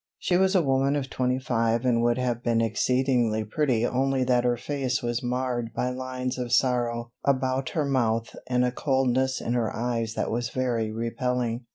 She was a woman of twenty five and would have been exceedingly pretty only that her face was marred by lines of sorrow about her mouth and a coldness in her eyes that was very repelling.